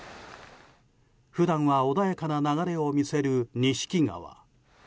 普段は穏やかな流れを見せる錦川。